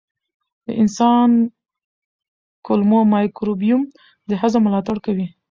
د انسان کولمو مایکروبیوم د هضم ملاتړ کوي.